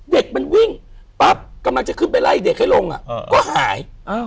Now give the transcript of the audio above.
เด็กมันวิ่งปั๊บกำลังจะขึ้นไปไล่เด็กให้ลงก็หาย